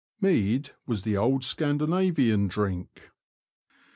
Mead was the old Scandinavian drink.